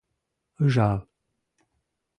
Ыжал...